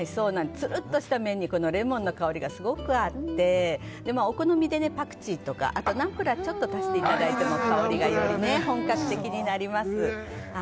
つるっとした麺にレモンの香りがすごく合ってお好みでパクチーとかナンプラーを加えていただくと香りがより本格的になります。